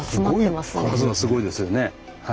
数がすごいですよね。